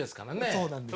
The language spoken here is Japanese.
そうなんです。